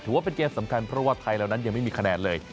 ว่าเกมสำคัญเพราะว่าไทยเหล่านั้นยังไม่มีคะแนนเลย